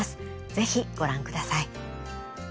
是非ご覧ください。